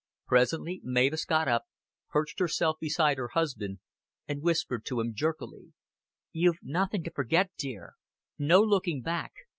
Presently Mavis got up, perched herself beside her husband, and whispered to him jerkily. "You've nothing to forget, dear. No looking back.